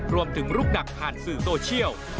รวมถึงลูกดักผ่านสื่อโซเชียล